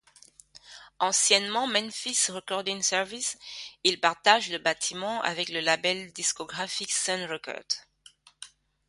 Anciennement Memphis Recording Service, il partage le bâtiment avec le label discographique Sun Records.